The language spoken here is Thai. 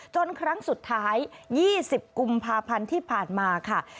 ครั้งสุดท้าย๒๐กุมภาพันธ์ที่ผ่านมาค่ะ